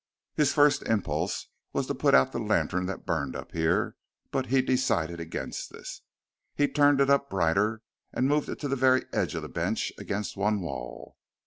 His first impulse was to put out the lantern that burned up here, but he decided against this. He turned it up brighter and moved it to the very edge of the bench against one wall.